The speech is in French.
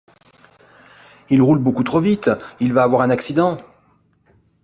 Il roule beaucoup trop vite, il va avoir un accident!